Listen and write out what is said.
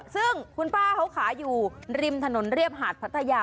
ซึ่งคุณป้าเขาขายอยู่ริมถนนเรียบหาดพัทยา